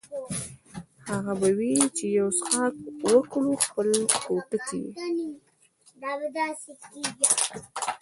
ښه به وي چې یو څښاک وکړو، خپل پوټکی یې.